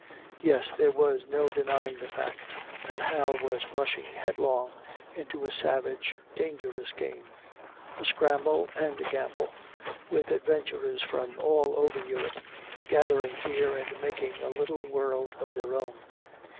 Yes, there was no denying the fact that Hal was rushing headlong into a savage dangerous game, a scramble and a gamble, with adventurers from all over Europe gathering here and making a little world of their own.